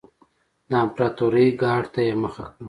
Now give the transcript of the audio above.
د امپراتورۍ ګارډ ته یې مخه کړه.